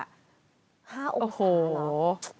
๕องศาหรอ